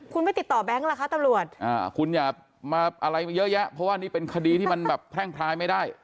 คุณไม่ติดต่อแบงค์ล่ะคะตำรวจคุณอย่ามาอะไรเยอะแยะเพราะว่านี่เป็นคดีที่มันแบบแพร่งพลายไม่ได้